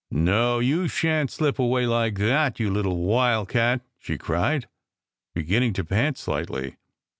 "No, you shan t slip away like that, you little wild cat!" she cried, beginning to pant slightly.